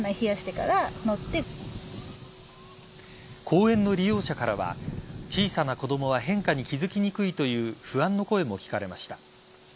公園の利用者からは小さな子供は変化に気付きにくいという不安の声も聞かれました。